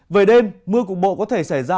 về đêm mưa cục bộ có thể xảy ra